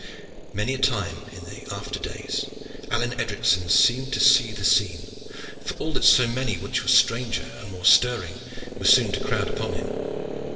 Many a time in the after days Alleyne Edricson seemed to see that scene, for all that so many which were stranger and more stirring were soon to crowd upon him.